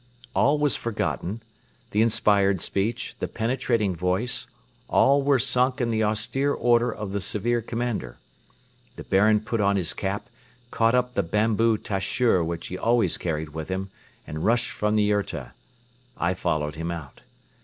All was forgotten the inspired speech, the penetrating voice all were sunk in the austere order of the severe commander. The Baron put on his cap, caught up the bamboo tashur which he always carried with him and rushed from the yurta. I followed him out.